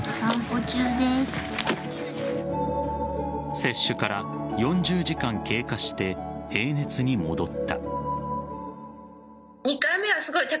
接種から４０時間経過して平熱に戻った。